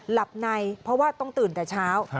หลับในเพราะว่าต้องตื่นแต่เช้า